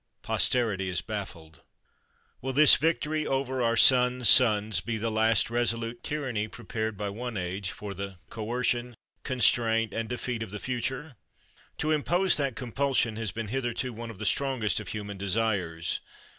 Posterity is baffled. Will this victory over our sons' sons be the last resolute tyranny prepared by one age for the coercion, constraint, and defeat of the future? To impose that compulsion has been hitherto one of the strongest of human desires.